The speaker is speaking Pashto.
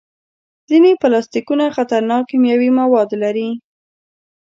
ځینې پلاستيکونه خطرناک کیمیاوي مواد لري.